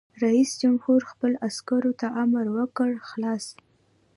رئیس جمهور خپلو عسکرو ته امر وکړ؛ خلاص!